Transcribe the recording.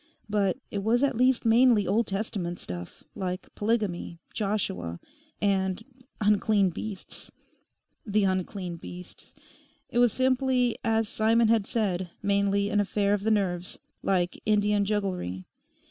But it was at least mainly Old Testament stuff, like polygamy, Joshua, and the 'unclean beasts.' The 'unclean beasts.' It was simply, as Simon had said, mainly an affair of the nerves, like Indian jugglery.